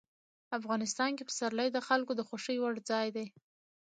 افغانستان کې پسرلی د خلکو د خوښې وړ ځای دی.